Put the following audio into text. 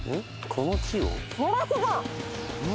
この木を？